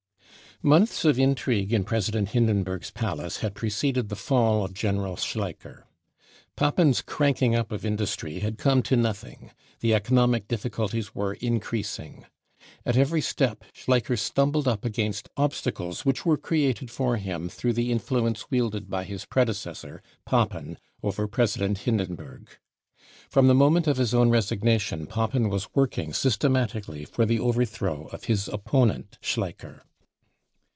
M onths of intrigue in President Hindenburg's palace had preceded the fall of General Schleicher. Papen's u cranking up " of industry bad come to nothing. The* economic difficulties were increasing. At every step Schlei cher stumbled up against obstacles which were created for him through the influence wielded by his» predecessor, Papen, over President Hindenburg. From the fhoment of his own resignation Papen was working systematically for the overthrow of his opponent Schleicher.